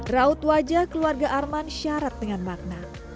raut wajah keluarga arman syarat dengan makna